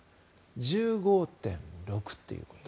１５．６ということ。